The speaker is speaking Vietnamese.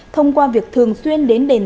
thông qua việc thường xuyên đến đền tăng